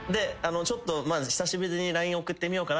久しぶりにＬＩＮＥ送ってみようかな。